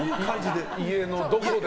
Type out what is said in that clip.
家のどこで？